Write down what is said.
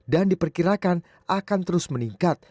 dan diperkirakan akan terus meningkat